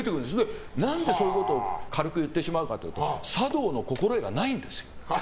何でそういうことを軽く言ってしまうかというと茶道の心得がないんです。